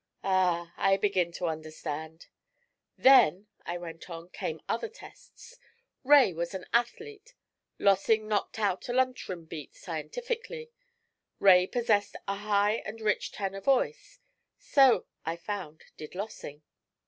'Ah! I begin to understand.' 'Then,' I went on, 'came other tests. Rae was an athlete; Lossing knocked out a lunch room beat scientifically, Rae possessed a high and rich tenor voice; so, I found, did Lossing.'